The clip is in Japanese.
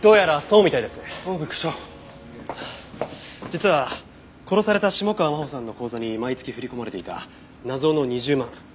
実は殺された下川真帆さんの口座に毎月振り込まれていた謎の２０万。